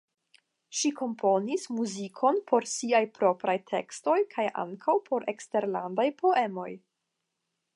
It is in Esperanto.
Ŝi komponis muzikon por siaj propraj tekstoj kaj ankaŭ por eksterlandaj poemoj.